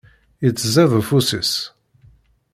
yettzid ufus-is.